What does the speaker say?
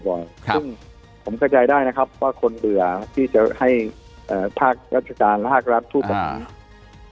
ซึ่งผมเข้าใจได้นะครับว่าคนเหลือที่จะให้ภาครัฐการณ์รหักรับผู้ปกติ